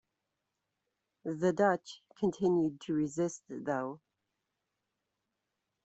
The Dutch continued to resist though.